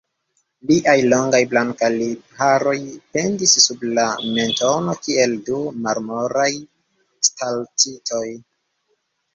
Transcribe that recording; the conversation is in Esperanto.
Liaj longaj blankaj lipharoj pendis sub la mentono kiel du marmoraj stalaktitoj.